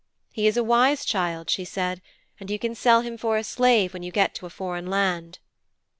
"He is a wise child," she said, "and you can sell him for a slave when you come to a foreign land."'